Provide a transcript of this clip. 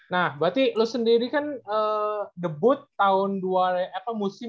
nah berarti lu sendiri kan debut tahun dua ribu sembilan belas kan